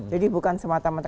jadi bukan semata mata